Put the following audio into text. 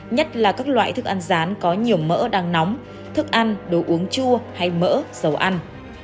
nhất là các loại thức ăn rán có nhiều mỡ đang nóng thức ăn đồ uống chua hay mỡ dầu ăn